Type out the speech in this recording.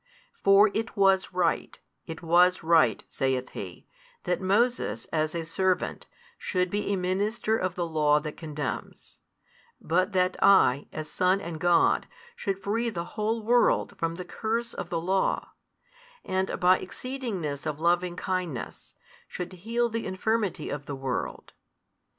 For it was right, it was right, saith He, that Moses, as a servant, should be a minister of the law that condemns, but that I as Son and God should free the whole world from the curse of the law and, by exceedingness of lovingkindness, should heal the infirmity of the world.